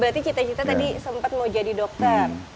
berarti kita kita tadi sempat mau jadi dokter